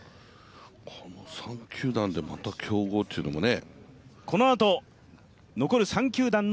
この３球団でまた競合というのもね。